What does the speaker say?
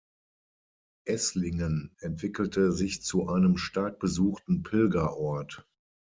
Esslingen entwickelte sich zu einem stark besuchten Pilgerort.